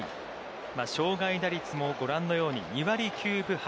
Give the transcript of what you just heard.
生涯打率もご覧のように２割９分８厘。